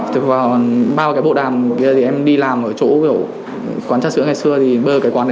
từ vào bao cái bộ đàm kia thì em đi làm ở chỗ kiểu quán chất sữa ngày xưa